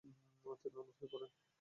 তিনি অনাথ হয়ে পড়েন।